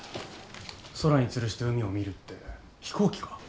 「空につるして海を見る」って飛行機か？